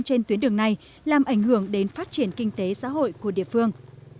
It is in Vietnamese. trên tuyến đường này làm ảnh hưởng đến phát triển kinh tế xã hội của địa phương